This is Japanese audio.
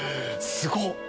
すごっ。